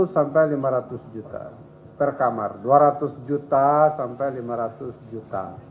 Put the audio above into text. sampai lima ratus juta per kamar dua ratus juta sampai lima ratus juta